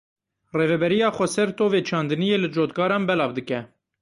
Rêveberiya Xweser tovê çandiniyê li cotkaran belav dike.